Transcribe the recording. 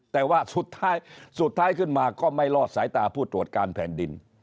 แต่ว่าสุดท้ายสุดท้ายขึ้นมาก็ไม่รอดสายตาผู้ตรวจการแผ่นดิน